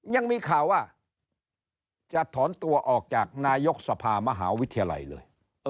ยังมีข่าวว่าจะถอนตัวออกจากนายกสภามหาวิทยาลัยเลย